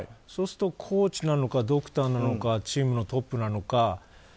そうすると、コーチなのかドクターなのかチームのトップなのか。